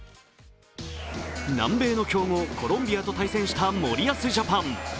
南米の強豪・コロンビアと対戦した森保ジャパン。